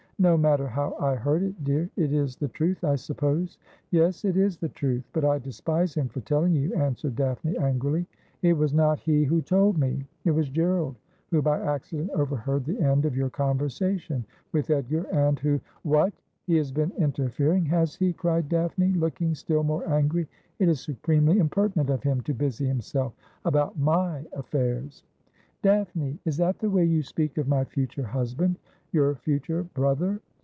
' No matter how I heard it, dear. It is the truth, I suppose.' ' Yes ; it is the truth. But I despise him for telling you,' answered Daphne angrily. ' It was not he who told me. It was Gerald, who by acci dent overheard the end of your conversation with Edgar, and who ' 'What! he has been interfering, has he?' cried Daphne, looking still more angry. ' It is supremely impertinent of him to busy himself about my afJairs.' ' Daphne ! Is that the way you speak of my future husband — your future brother